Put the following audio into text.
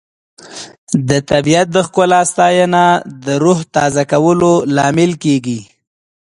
د طبیعت د ښکلا ستاینه د روح تازه کولو لامل کیږي.